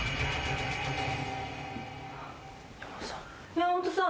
山本さん。